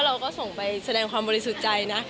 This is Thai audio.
เราก็ส่งไปแสดงความบริสุทธิ์ใจนะ